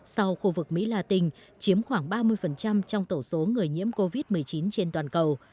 sau khu vực mỹ la tình chiếm khoảng ba mươi trong tổ số người nhiễm covid một mươi chín trên toàn cầu